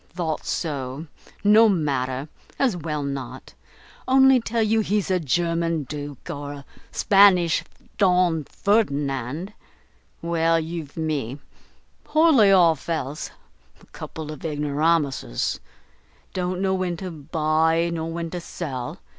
"Thought so. No matter, as well not. Only tell you he's a German Duke, or a Spanish Don Ferdinand. Well, you've me! poorly off else. A couple of ignoramuses! don't know when to buy nor when to sell.